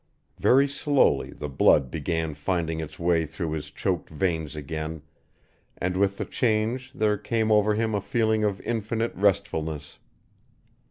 Very slowly the blood began finding its way through his choked veins again, and with the change there came over him a feeling of infinite restfulness.